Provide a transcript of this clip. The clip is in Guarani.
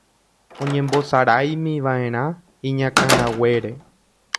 oñembosaráimiva'erã iñakãraguére